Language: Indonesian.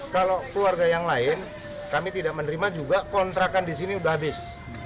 kalau keluarga yang lain kami tidak menerima juga kontrakan di sini sudah habis